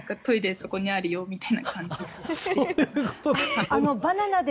そこにあるよみたいな感じで。